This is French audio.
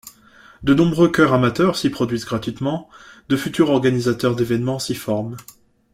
De nombreux chœurs amateurs s'y produisent gratuitement, de futurs organisateurs d'évènements s'y forment.